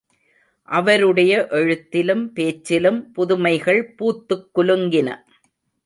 அவருடைய எழுத்திலும், பேச்சிலும், புதுமைகள் பூத்துக் குலுங்கின.